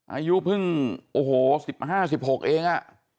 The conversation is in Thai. อายุเพิ่งโอ้โหสิบห้าสิบหกเองอ่ะ